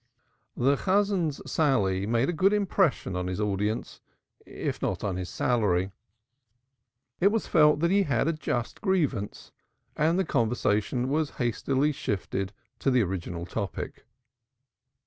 The Chazan's sally made a good impression on his audience if not on his salary. It was felt that he had a just grievance, and the conversation was hastily shifted to the original topic.